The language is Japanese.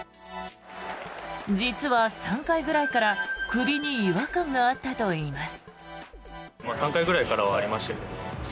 実は３回ぐらいから首に違和感があったといいます。